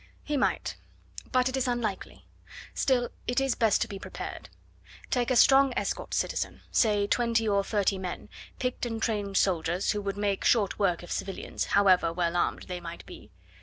"He might, but it is unlikely. Still it is best to be prepared. Take a strong escort, citizen, say twenty or thirty men, picked and trained soldiers who would make short work of civilians, however well armed they might be.